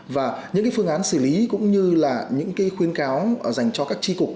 và những phương án xử lý cũng như là những khuyên cáo dành cho các tri cục